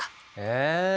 え。